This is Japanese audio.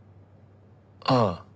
ああ。